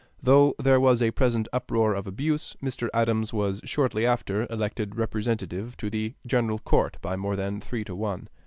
Though there was a present uproar of abuse, Mr. Adams was shortly after elected Representative to the General Court by more than three to one.